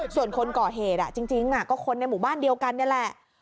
ส่วนคนก่อเหตุจริงก็คนในหมู่บ้านเดียวกันนี่แหละ